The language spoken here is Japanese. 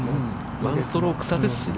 １ストローク差ですしね。